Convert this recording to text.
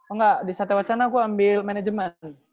enggak di satya wacana gue ambil manajemen